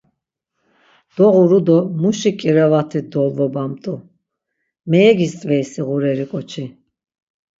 Doğuru do muşi ǩirevat̆i dolvobamtu, meyegist̆veysi ğureri ǩoçi…